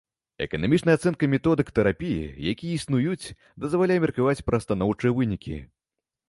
Эканамічная ацэнка методык тэрапіі, якія існуюць, дазваляе меркаваць пра станоўчыя вынікі.